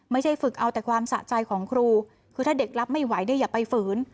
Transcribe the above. ฝึกเอาแต่ความสะใจของครูคือถ้าเด็กรับไม่ไหวเนี่ยอย่าไปฝืน